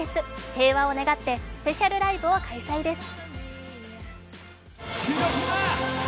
平和を願ってスペシャルライブを開催です。